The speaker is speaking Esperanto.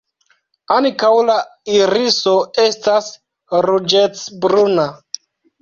Ankaŭ la iriso estas ruĝecbruna.